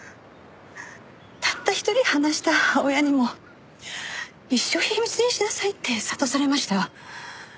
たった一人話した親にも一生秘密にしなさいって諭されました。